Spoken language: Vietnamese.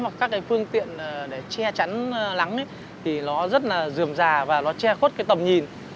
hoặc các cái phương tiện để che chắn lắng thì nó rất là dườm già và nó che khuất cái tầm nhìn